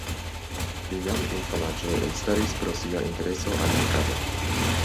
Li jam infanaĝe elstaris pro sia intereso al legado.